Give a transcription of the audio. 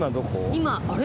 今あれ？